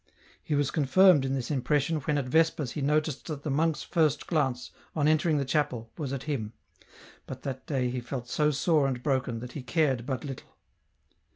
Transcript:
He was confirmed in this impression when at Vespers he noticed that the monk's first glance on entering the chapel was at him, but that day he felt so sore and broken that he cared but little.